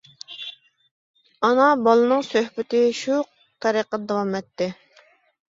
ئانا بالىنىڭ سۆھبىتى شۇ تەرىقىدە داۋام ئەتتى.